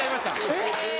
えっ？